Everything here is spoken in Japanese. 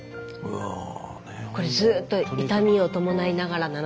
これずっと痛みを伴いながらなので。